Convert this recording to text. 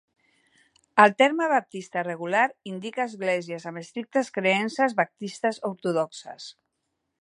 El terme "baptista regular" indica esglésies amb estrictes creences baptistes ortodoxes.